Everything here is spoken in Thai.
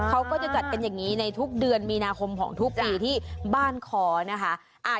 เขาก็จะจัดกันอย่างนี้ในทุกเดือนมีนาคมของทุกปีที่บ้านคอนะคะ